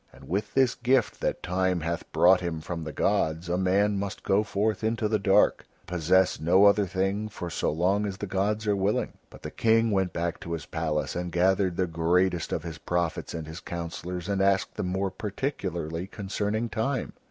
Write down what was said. And with this gift that Time hath brought him from the gods a man must go forth into the dark to possess no other thing for so long as the gods are willing." But the King went back to his palace and gathered the greatest of his prophets and his councillors and asked them more particularly concerning Time.